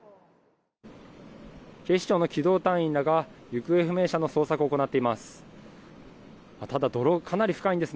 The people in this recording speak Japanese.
警視庁の機動隊員らが行方不明者の捜索を行っています。